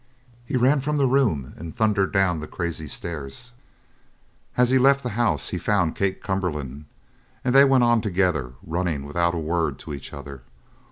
he ran from the room and thundered down the crazy stairs. As he left the house he found Kate Cumberland, and they went on together, running without a word to each other.